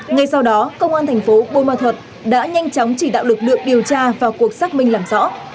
ngay sau đó công an thành phố bô ma thuật đã nhanh chóng chỉ đạo lực lượng điều tra vào cuộc xác minh làm rõ